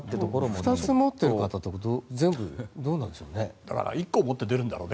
２つ持っている方全部、どうするんでしょうね。